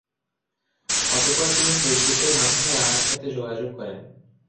অতঃপর, তিনি ফেসবুকের মাধ্যমে রানার সাথে যোগাযোগ করেন।